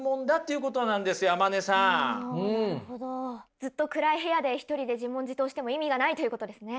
ずっと暗い部屋で一人で自問自答しても意味がないということですね。